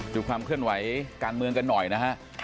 อยู่ความคืนไหวการเมืองกันหน่อยนะฮะ